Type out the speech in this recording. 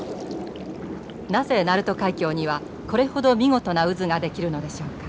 なぜ鳴門海峡にはこれほど見事な渦が出来るのでしょうか？